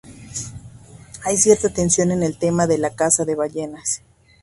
Hay cierta tensión en el tema de la caza de ballenas.